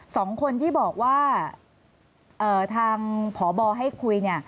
สองคนที่บอกว่าทางพบให้คุย